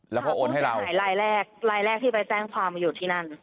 แล้วเขาโอนให้เรารายแรกที่ไปแจ้งความอยู่ที่นั้น